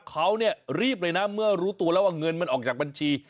เขาเนี่ยรีบเลยนะเมื่อรู้ตัวแล้วว่าเงินมันออกจากบัญชี